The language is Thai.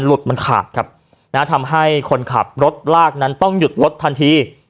มันขาดครับนะฮะทำให้คนขับรถลากนั้นต้องหยุดรถทันที